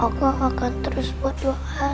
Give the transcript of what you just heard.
aku akan terus berdoa